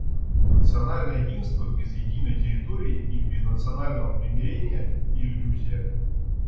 Национальное единство без единой территории или без национального примирения — иллюзия.